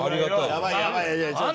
やばいやばい。